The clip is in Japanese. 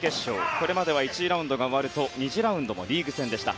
これまでは１次ラウンドが終わると２次ラウンドもリーグ戦でした。